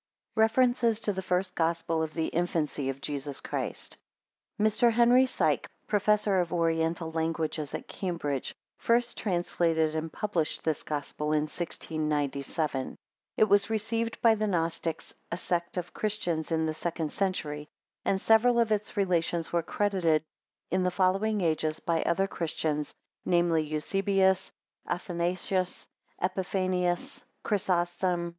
REFERENCES TO THE FIRST GOSPEL OF THE INFANCY OF JESUS CHRIST [Mr. Henry Sike, Professor of Oriental Languages at Cambridge, first translated and published this Gospel in 1697. It was received by the Gnostics, a sect of Christians in the second century; and several of its relations were credited in the following ages by other Christians, viz., Eusebius, Athanasius, Epiphanius; Chrysostom.